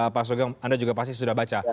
pak sugeng anda juga pasti sudah baca